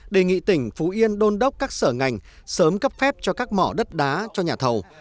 đề nghị tỉnh phú yên đôn đốc các sở ngành sớm cấp phép cho các mỏ đất đá cho nhà thầu